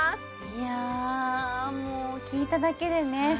いやもう聞いただけでね